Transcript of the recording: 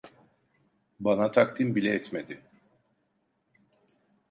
Bana takdim bile etmedi.